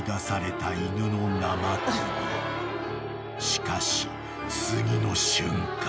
［しかし次の瞬間］